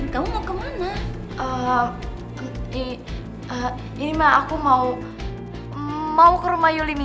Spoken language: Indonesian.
sampai jumpa lagi